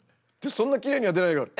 そんなきれいには出ないけど。